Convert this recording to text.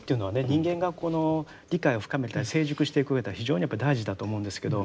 人間がこの理解を深めたり成熟していくうえでは非常にやっぱり大事だと思うんですけど。